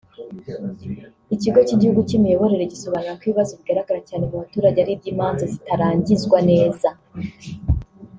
Ikigo cy’Igihugu cy’Imiyoborere gisobanura ko ibibazo bigaragara cyane mu baturage ari iby’imanza zitarangizwa neza